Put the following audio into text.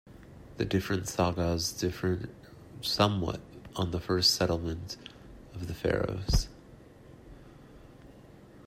The different sagas differ somewhat on the first settlement of the Faroes.